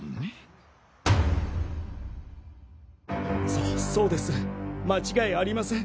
そそうです間違いありません。